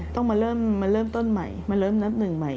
ต้องมาเริ่มมาเริ่มต้นใหม่มาเริ่มนับหนึ่งใหม่